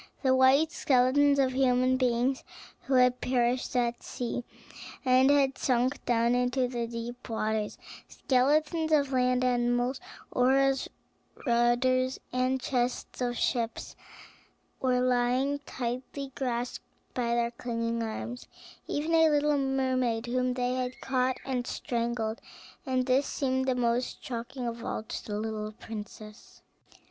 The white skeletons of human beings who had perished at sea, and had sunk down into the deep waters, skeletons of land animals, oars, rudders, and chests of ships were lying tightly grasped by their clinging arms; even a little mermaid, whom they had caught and strangled; and this seemed the most shocking of all to the little princess.